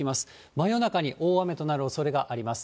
真夜中に大雨となるおそれがあります。